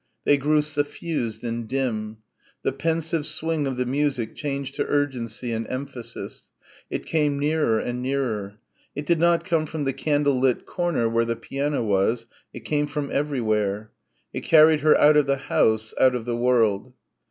They grew suffused and dim.... The pensive swing of the music changed to urgency and emphasis.... It came nearer and nearer. It did not come from the candle lit corner where the piano was.... It came from everywhere. It carried her out of the house, out of the world.